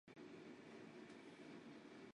本条目也主要讲述普通国道。